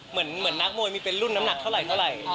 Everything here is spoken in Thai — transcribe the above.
เหมือนนักมวยมีเป็นรุ่นน้ำหนักเท่าไหร่